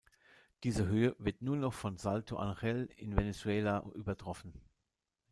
Diese Höhe wird nur noch vom Salto Ángel in Venezuela übertroffen.